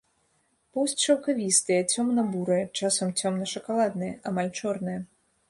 Поўсць шаўкавістая, цёмна-бурая, часам цёмна-шакаладная, амаль чорная.